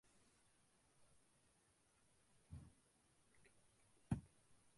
நாகரம், வேசரம், திராவிடம் என்று.